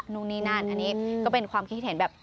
นู่นนี่นั่นอันนี้ก็เป็นความคิดเห็นแบบ